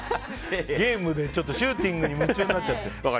ゲームでシューティングに夢中になっちゃって。